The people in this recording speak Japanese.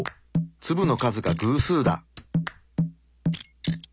粒の数が偶数だ！